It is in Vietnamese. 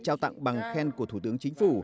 trao tặng bằng khen của thủ tướng chính phủ